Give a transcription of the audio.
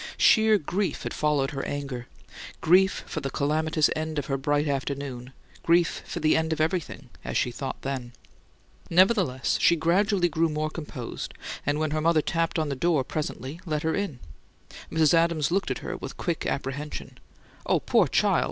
Sheer grief had followed her anger; grief for the calamitous end of her bright afternoon, grief for the "end of everything," as she thought then. Nevertheless, she gradually grew more composed, and, when her mother tapped on the door presently, let her in. Mrs. Adams looked at her with quick apprehension. "Oh, poor child!